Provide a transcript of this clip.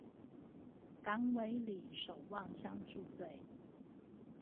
港尾里守望相助隊